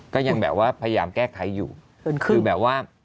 ก็ยังแบบว่าพยายามแก้ไขอยู่คือแบบว่า